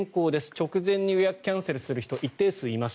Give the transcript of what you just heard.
直前に予約キャンセルをする人が一定数います。